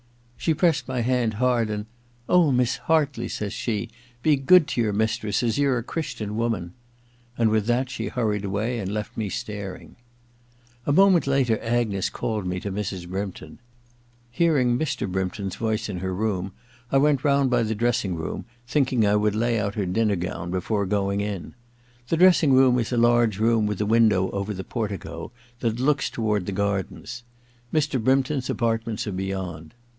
She pressed my hand hard, and, * Oh, Miss Hardey,' says she, * be good to your mistress, as you're a Christian woman.' And with that she hiu ried away, and left me staring. A moment later Agnes called me to Mrs. II THE LADY'S MAID'S BELL 137 Brympton. Hearing Mr. Brympton's voice in her room, I went round by the dressing room, thinking I would lay out her dinner gown before going in. The dressing room is a large room with a window over the portico that looks toward the gardens. Mr. Brympton's apart ments are beyond.